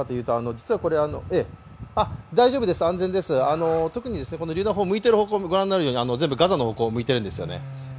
大丈夫です、安全です、特にりゅう弾砲が向いている方向、全部ガザの方向向いているんですよね。